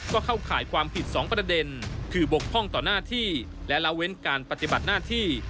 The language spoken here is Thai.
ก็เข้าข่ายความผิด๒ประเด็นคือบกพร่องต่อหน้าที่และละเว้นการปฏิบัติหน้าที่